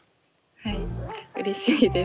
はいうれしいです。